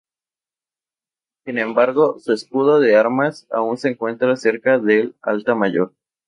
Sin embargo, su escudo de armas aún se encuentra cerca del altar mayor.